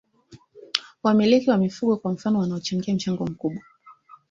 Wamiliki wa mifugo kwa mfano wanao mchango mkubwa